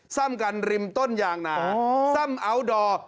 ซ่อมกันริมต้นยางนาซ่ำอัลดอร์